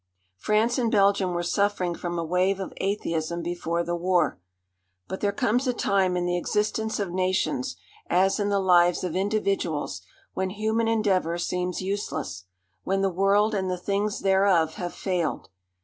France and Belgium were suffering from a wave of atheism before the war. But there comes a time in the existence of nations, as in the lives of individuals, when human endeavour seems useless, when the world and the things thereof have failed.